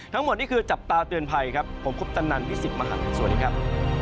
ทั้งหมดนี่คือจับตาเตือนภัยครับผมคุปตันนันพี่สิทธิ์มหันฯสวัสดีครับ